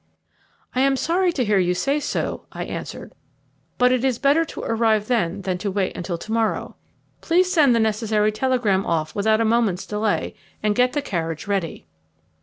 "I am sorry to hear you say so," I answered; "but it is better to arrive then than to wait until to morrow. Please send the necessary telegram off without a moment's delay, and get the carriage ready."